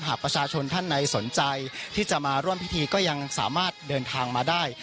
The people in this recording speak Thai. หากประชาชนท่านใดสนใจที่จะมาร่วมพิธีก็ยังสามารถเดินทางมาได้